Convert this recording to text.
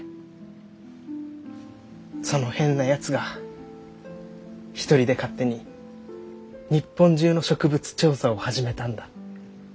その変なやつが一人で勝手に日本中の植物調査を始めたんだ。